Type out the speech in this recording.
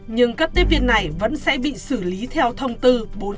nhưng các tiếp viên này vẫn sẽ bị xử lý theo thông tư bốn mươi sáu hai nghìn một mươi ba